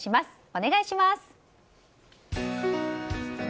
お願いします。